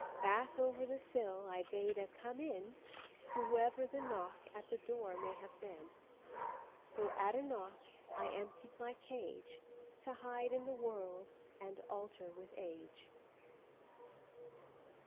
Back over the sillI bade a "Come in"To whoever the knockAt the door may have been. So at a knockI emptied my cageTo hide in the worldAnd alter with age.